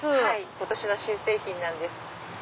今年の新製品なんです。